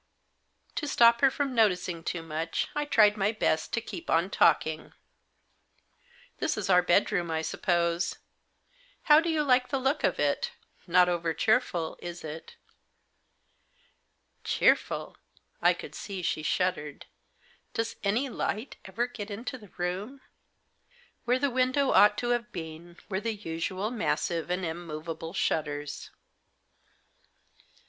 To stop her from noticing too much, I tried my best to keep on talking. " This is our bedroom, I suppose. How do you like the look of it ? Not over cheerful, is it ?"" Cheerful ?" I could see she shuddered. " Does any light ever get into the room ?" Where the window ought to have been were the usual massive and immovable shutters.